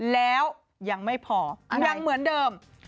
แล้วยังไม่พอยังเหมือนเดิม